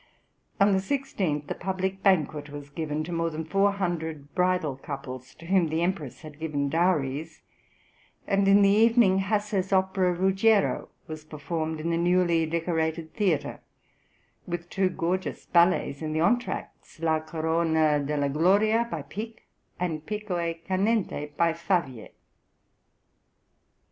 On the 16th a public banquet was given to more than four hundred bridal couples, to whom the Empress had given dowries, and in the evening Hasse's opera "Ruggiero" was performed in the newly decorated theatre, with two gorgeous ballets in the entr'actes, "La Corona della gloria," by Pick, and "Pico e Canente," by Favier.